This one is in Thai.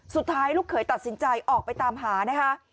สุดท้ายลูกเขยตัดสินใจออกไปตามหานะคะ